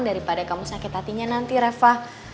daripada kamu sakit hatinya nanti reva